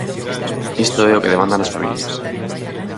Isto é o que demandan as familias.